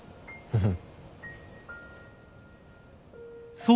うん。